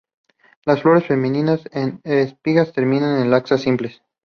Las flores femeninas en espigas terminales laxas simples.